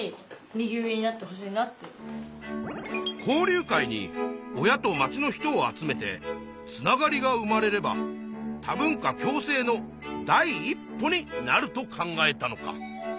交流会に親と町の人を集めてつながりが生まれれば多文化共生の第一歩になると考えたのか。